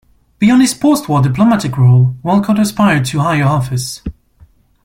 Beyond his post war diplomatic role, Wolcott aspired to higher office.